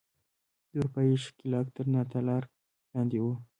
د اروپايي ښکېلاک تر ناتار لاندې وو.